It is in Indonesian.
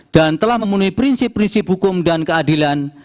dan telah memenuhi prinsip prinsip hukum dan keadilan